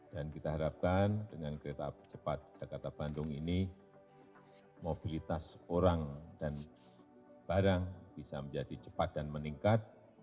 dan kita harapkan dengan kereta cepat jakarta bandung ini mobilitas orang dan barang bisa menjadi cepat dan meningkat